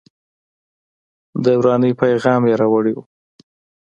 د ورانۍ پیغام یې راوړی و.